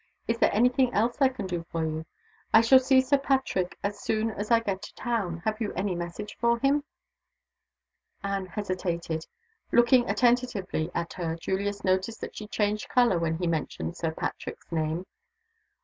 Is there any thing else I can do for you? I shall see Sir Patrick as soon as I get to town. Have you any message for him?" Anne hesitated. Looking attentively at her, Julius noticed that she changed color when he mentioned Sir Patrick's name.